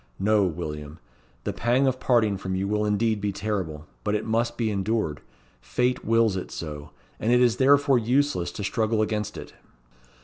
No, William. The pang of parting from you will indeed be terrible, but it must be endured. Fate wills it so, and it is therefore useless to struggle against it."